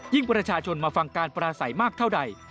ประชาชนมาฟังการปราศัยมากเท่าใด